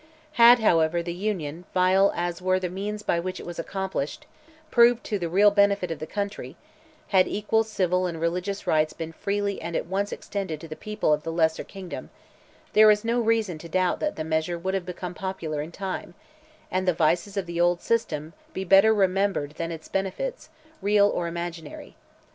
Had, however, the Union, vile as were the means by which it was accomplished, proved to the real benefit of the country—had equal civil and religious rights been freely and at once extended to the people of the lesser kingdom—there is no reason to doubt that the measure would have become popular in time, and the vices of the old system be better remembered than its benefits, real or imaginary.